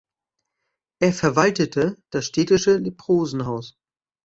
Er verwaltete das städtische Leprosenhaus.